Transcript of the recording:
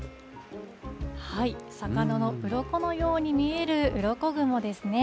魚のうろこのように見えるうろこ雲ですね。